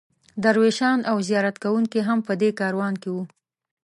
درویشان او زیارت کوونکي هم په دې کاروان کې وو.